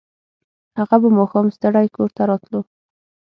هغه به ماښام ستړی کور ته راتلو